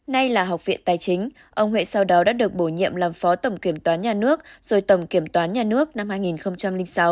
nay là học viện tài chính ông huệ sau đó đã được bổ nhiệm làm phó tổng kiểm toán nhà nước rồi tổng kiểm toán nhà nước năm hai nghìn sáu